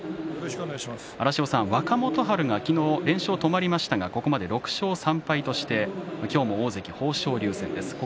若元春が昨日、連勝止まりましたがここまで６勝３敗として今日も大関豊昇龍戦です。